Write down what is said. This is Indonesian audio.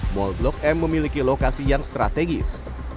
mall blok m memiliki lokasi yang strategis